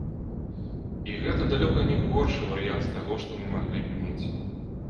І гэта далёка не горшы варыянт з таго, што мы маглі б мець.